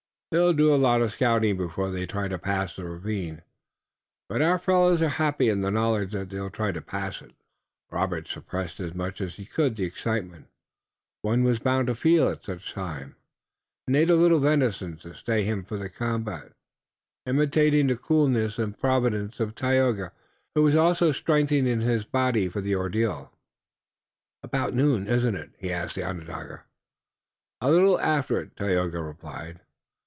They'll do a lot of scouting before they try to pass the ravine, but our fellows are happy in the knowledge that they'll try to pass it." Robert suppressed as much as he could the excitement one was bound to feel at such a time, and ate a little venison to stay him for the combat, imitating the coolness and providence of Tayoga, who was also strengthening his body for the ordeal. "About noon, isn't it?" he asked of the Onondaga. "A little after it," Tayoga replied.